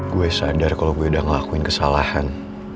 gue sadar kalau gue udah ngelakuin kesalahan